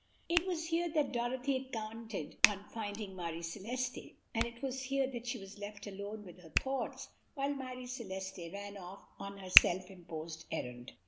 It was here that Dorothy had counted on finding Marie Celeste, and it was here that she was left alone with her thoughts while Marie Celeste ran off on her self imposed errand.